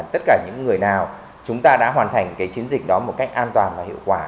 tất cả những người nào chúng ta đã hoàn thành cái chiến dịch đó một cách an toàn và hiệu quả